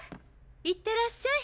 いってらっしゃい。